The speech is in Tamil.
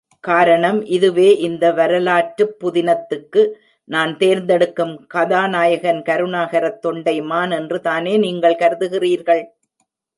காரணம் இதுவே இந்த வரலாற்றுப் புதினத்திற்கு நான் தேர்ந்தெடுக்கும் கதாநாயகன் கருணாகரத் தொண்டைமான் என்று தானே நீங்கள் கருதுகிறீர்கள்?